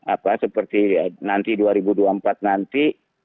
apa seperti nanti dua ribu dua puluh empat nanti